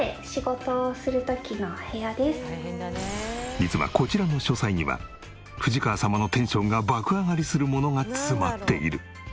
実はこちらの書斎には藤川様のテンションが爆上がりするものが詰まっている。